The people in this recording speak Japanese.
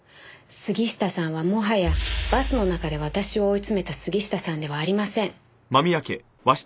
杉下さんはもはやバスの中で私を追いつめた杉下さんではありません。